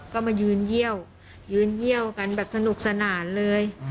ก็มายืนเยี่ยวยืนเยี่ยวกันแบบสนุกสนานเลย